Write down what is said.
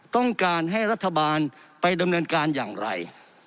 ต้องการให้รัฐบาลไปดำเนินการอย่างไร